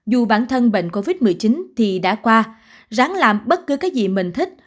dù bản thân bệnh covid một mươi chín thì đã qua ráng làm bất cứ cái gì mình thích